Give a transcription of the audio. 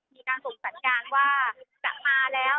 มีการส่งสัญญาณว่าจะมาแล้ว